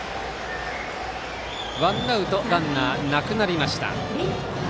ワンアウトランナーなくなりました。